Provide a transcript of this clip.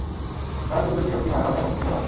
কারন তুমি যদি সবজি না খাও ড্রাগনকে কিভাবে মারবে?